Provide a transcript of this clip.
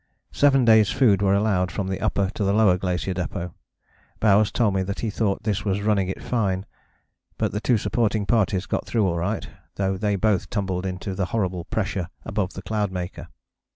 Seven days' food were allowed from the Upper to the Lower Glacier Depôt. Bowers told me that he thought this was running it fine. But the two supporting parties got through all right, though they both tumbled into the horrible pressure above the Cloudmaker.